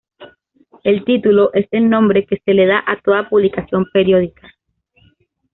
El título es el nombre que se le da a toda publicación periódica.